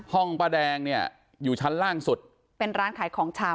ป้าแดงเนี่ยอยู่ชั้นล่างสุดเป็นร้านขายของชำ